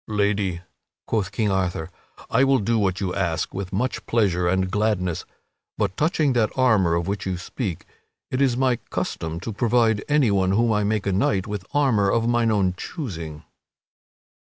"Lady," quoth King Arthur, "I will do what you ask with much pleasure and gladness. But, touching that armor of which you speak, it is my custom to provide anyone whom I make a knight with armor of mine own choosing."